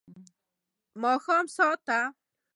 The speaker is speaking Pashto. ماښام ساه ته